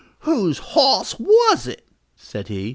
"Whose hos was it?" said he.